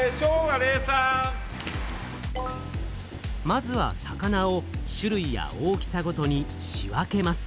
まずは魚を種類や大きさごとに仕分けます。